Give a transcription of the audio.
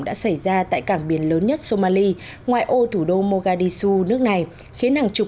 đã xảy ra tại cảng biển lớn nhất somali ngoài ô thủ đô mogadisu nước này khiến hàng chục